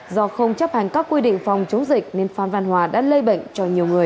do không chấp hành các quy định phòng chống dịch nên phan văn hòa đã lây bệnh cho nhiều người